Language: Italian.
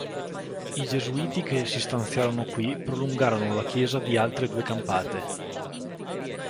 I Gesuiti che si stanziarono qui prolungarono la chiesa di altre due campate.